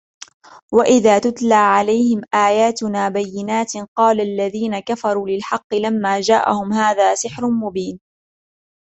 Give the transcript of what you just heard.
وَإِذَا تُتْلَى عَلَيْهِمْ آيَاتُنَا بَيِّنَاتٍ قَالَ الَّذِينَ كَفَرُوا لِلْحَقِّ لَمَّا جَاءَهُمْ هَذَا سِحْرٌ مُبِينٌ